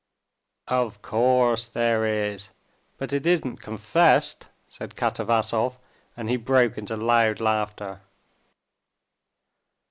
"Of course there is, but it isn't confessed," said Katavasov, and he broke into loud laughter.